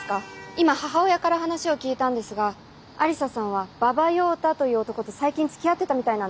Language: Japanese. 今母親から話を聞いたんですが愛理沙さんは馬場耀太という男と最近つきあってたみたいなんです。